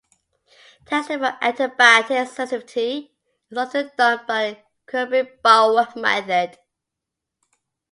Testing for antibiotic sensitivity is often done by the Kirby-Bauer method.